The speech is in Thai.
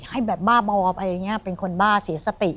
ให้แบบบ้าบอบอะไรอย่างนี้เป็นคนบ้าเสียสติ